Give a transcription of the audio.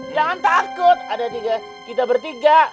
jangan takut ada tiga kita bertiga